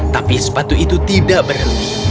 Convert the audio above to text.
tapi sepatu itu tidak berhenti